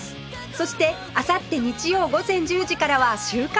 そしてあさって日曜午前１０時からは『週刊！